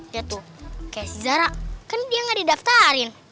dia tuh kayak si zara kan dia ga didaftarin